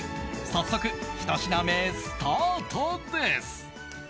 早速、１品目スタートです。